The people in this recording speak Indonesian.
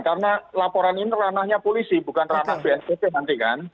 karena laporan ini ranahnya polisi bukan ranah bnpt nanti kan